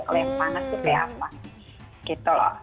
kalau yang panas itu kayak apa gitu loh